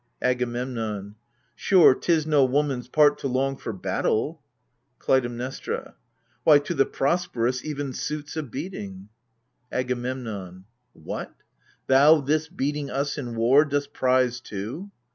AGAMEMNON. Sure, 't is no woman's part to long for battle KLUTAIMNESTRA. Why, to the prosperous, even suits a beating ! AGAMEMNON. 77 AGAMEMNON. What ? thou this beating us in war dost prize too